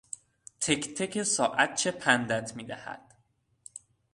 تکتک ساعت چه پندت میدهد...